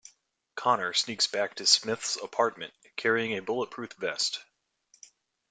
Connor sneaks back to Smith's apartment, carrying a bulletproof vest.